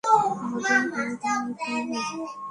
আমাদের কোন উপায় নেই, পোন্নি।